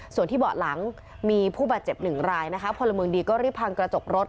ส่วนที่เบาะหลังมีผู้บาดเจ็บหนึ่งรายนะคะพลเมืองดีก็รีบพังกระจกรถ